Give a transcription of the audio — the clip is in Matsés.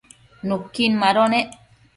nuquin mado nec